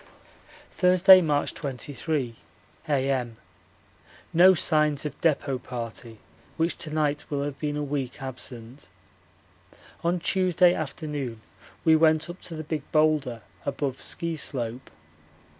Thursday, March 23, A.M. No signs of depot party, which to night will have been a week absent. On Tuesday afternoon we went up to the Big Boulder above Ski slope.